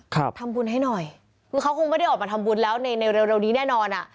ครับทำบุญให้หน่อยคือเขาคงไม่ได้ออกมาทำบุญแล้วในในเร็วนี้แน่นอนอ่ะ